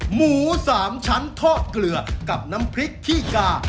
หมู๓ชั้นทอดเกลือกับน้ำพริกขี้กา